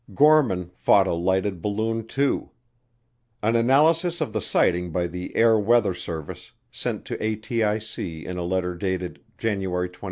Gorman fought a lighted balloon too. An analysis of the sighting by the Air Weather Service sent to ATIC in a letter dated January 24, 1949, proved it.